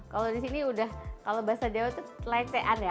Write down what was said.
kalau di sini udah kalau bahasa jawa itu letean ya